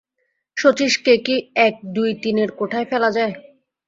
শচীশকে কি এক-দুই-তিনের কোঠায় ফেলা যায়?